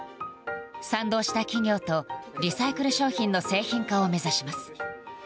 賛同した企業とリサイクル商品の製品化を目指します。